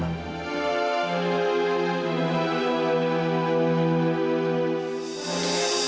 tapi sebenarnya aku juga heran